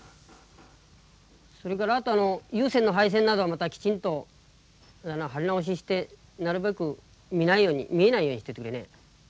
それからあとあの有線の配線などはまたきちんと張り直ししてなるべく見ないように見えないようにしといてくれね。